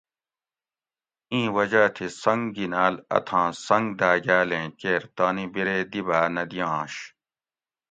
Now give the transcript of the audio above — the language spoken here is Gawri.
ایں وجاۤ تھی سنگ گینال اتھاں سنگ داۤگاۤلیں کیر تانی بیرے دی بھا نہ دیاںش